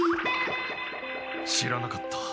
知らなかった。